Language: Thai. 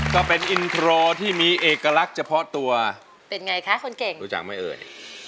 ก็เป็นอินโทรที่มีเอกลักษณ์เฉพาะตัวเป็นไงคะคนเก่งรู้จักไหมเอ่ย